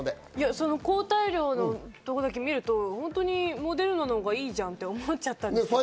抗体量の所だけを見るとモデルナのほうがいいじゃんって思っちゃったんですけど。